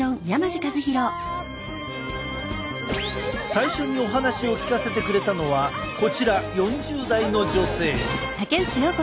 最初にお話を聞かせてくれたのはこちら４０代の女性。